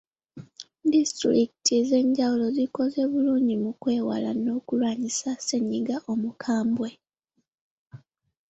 Disitulikiti ez’enjawulo zikoze bulungi mu kwewala n’okulwanyisa ssenyiga omukambwe.